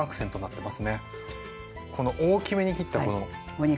この大きめに切ったこのお肉。